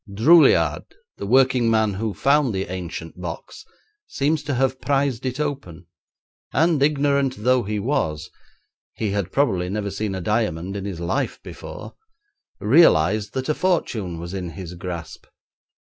Droulliard, the working man who found the ancient box, seems to have prised it open, and ignorant though he was he had probably never seen a diamond in his life before realised that a fortune was in his grasp.